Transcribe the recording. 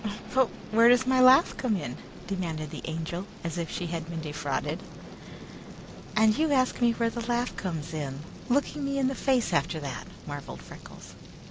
"But where does my laugh come in?" demanded the Angel, as if she had been defrauded. "And you ask me where the laugh comes in, looking me in the face after that," marveled Freckles.